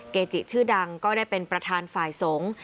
เกจิชื่อดังก็ได้เป็นประธานฝ่ายสงฆ์